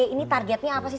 ini targetnya apa sih